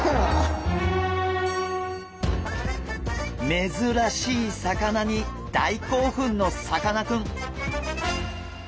めずらしい魚に大興奮のさかなクン。